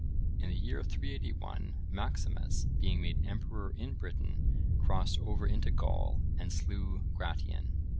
[I, 5.] In the year 381, Maximus, being made emperor in Britain, crossed over into Gaul, and slew Gratian.